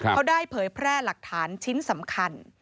เขาได้เผยแพร่หลักฐานชิ้นสำคัญ